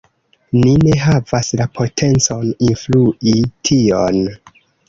Ni ne havas la potencon influi tion.